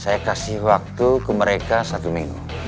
saya kasih waktu ke mereka satu minggu